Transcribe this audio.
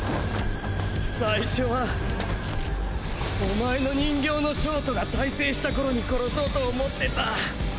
最初はおまえの人形の焦凍が大成した頃に殺そうと思ってた！